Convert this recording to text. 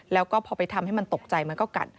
แล้วก็พอไปทำให้มันตกใจมันก็กัด